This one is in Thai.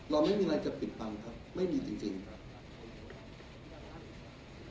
เราไม่มีอะไรจะปิดบังครับไม่มีจริงครับ